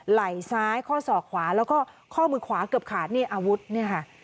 ไหล่ซ้ายข้อศอกขวาแล้วก็ข้อมือขวาเกือบขาดเนี่ยอาวุธเนี่ยค่ะ